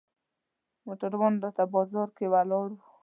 موټروان راته بازار کې ولاړ و.